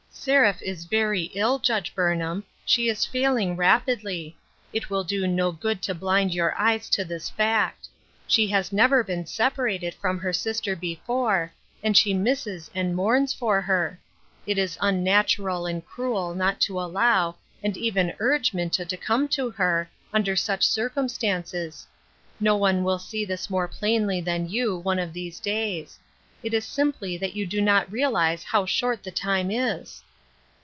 Seraph is very ill, Judge Burnham ; she is failing rapidly ; it will do no good to blind your eyes to this fact ; she has never been separated from her sister before, and she misses and mourns for her ; it is unnatural and cruel not to allow, and even urge Minta to come to her, under such circumstances ; no one will see this more plainly than you, one of these days ; it is simply that you do not realize how short the time is."